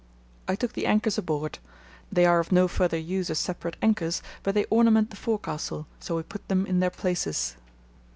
I took the anchors aboard. They are of no further use as separate anchors, but they ornament the forecastle head, so we put them in their places....